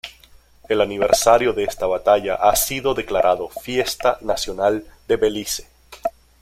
El aniversario de esta batalla ha sido declarado fiesta nacional de Belice.